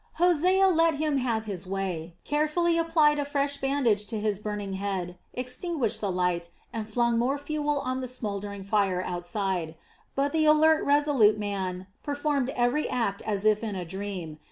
Hosea let him have his way, carefully applied a fresh bandage to his burning head, extinguished the light, and flung more fuel on the smouldering fire outside; but the alert, resolute man performed every act as if in a dream.